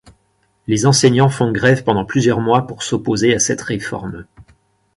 Les enseignants font grève pendant plusieurs mois pour s'opposer à cette réforme.